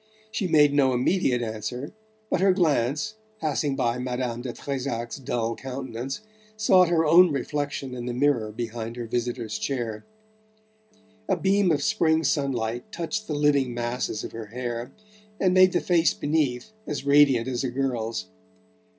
She made no immediate answer, but her glance, passing by Madame de Trezac's dull countenance, sought her own reflection in the mirror behind her visitor's chair. A beam of spring sunlight touched the living masses of her hair and made the face beneath as radiant as a girl's.